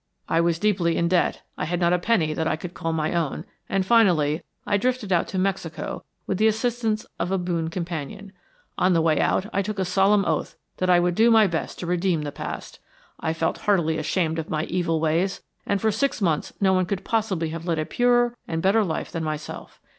I was deeply in debt, I had not a penny that I could call my own, and, finally, I drifted out to Mexico with the assistance of a boon companion. On the way out I took a solemn oath that I would do my best to redeem the past. I felt heartily ashamed of my evil ways; and for six months no one could possibly have led a purer and better life than myself.